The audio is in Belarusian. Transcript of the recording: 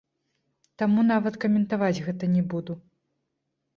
Таму нават каментаваць гэта не буду.